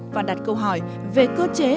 và đặt câu hỏi về cơ chế